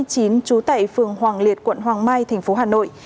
trú tại phường hoàng liệt quận hoàng mai tp hà nội